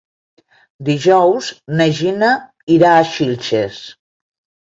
Dijous na Gina irà a Xilxes.